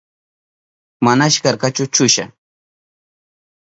Manashi karkachu chusha.